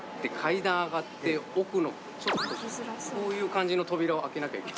奥のちょっとこういう感じの扉を開けなきゃいけない。